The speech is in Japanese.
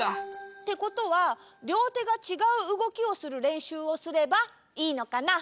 ってことはりょうてがちがううごきをするれんしゅうをすればいいのかな？